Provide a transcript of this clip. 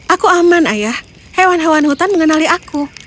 aku aman ayah hewan hewan hutan mengenali aku